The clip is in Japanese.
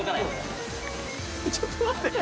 ちょっと待って。